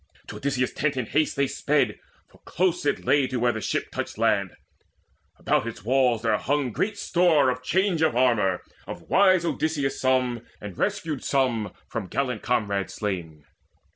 To Odysseus' tent in haste They sped, for close it lay to where the ship Touched land. About its walls was hung great store Of change of armour, of wise Odysseus some, And rescued some from gallant comrades slain.